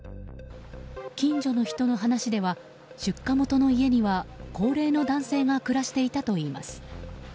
近所の人の話では出火元の家には高齢の男性が暮らしていたといいます。